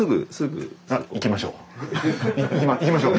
行きましょう。